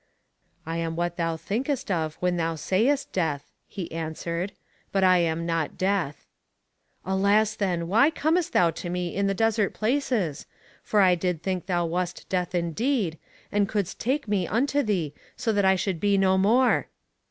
I am what thou thinkest of when thou sayest Death, he answered, but I am not Death. Alas, then! why comest thou to me in the desert places, for I did think thou wast Death indeed, and couldst take me unto thee so that I should be no more.